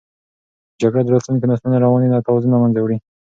جګړه د راتلونکو نسلونو رواني توازن له منځه وړي.